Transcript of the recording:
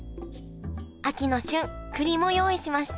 秋の旬くりも用意しました